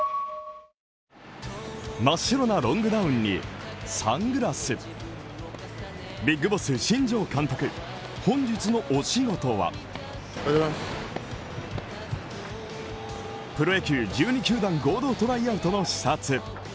真っ白なロングダウンにサングラスビッグボス新庄監督、本日のお仕事はプロ野球１２球団合同トライアウトの視察。